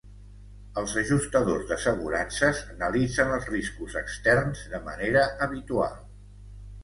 Els ajustadors d'assegurances analitzen els riscos externs de manera habitual.